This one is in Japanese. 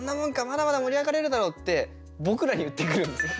まだまだ盛り上がれるだろ！」って僕らに言ってくるんですよ。